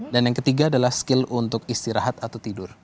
dan yang ketiga adalah skill untuk istirahat atau tidur